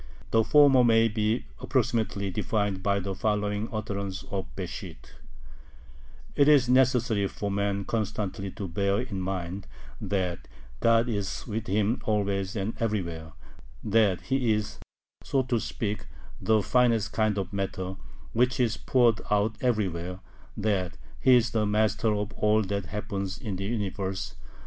The former may be approximately defined by the following utterances of Besht: It is necessary for man constantly to bear in mind that God is with him always and everywhere; that He is, so to speak, the finest kind of matter, which is poured out everywhere; that He is the master of all that happens in the Universe....